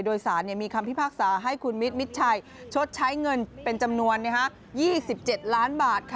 โดยสารมีคำพิพากษาให้คุณมิตรมิดชัยชดใช้เงินเป็นจำนวน๒๗ล้านบาท